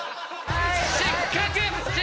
失格！